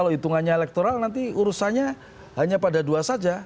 jadi hitungannya elektoral nanti urusannya hanya pada dua saja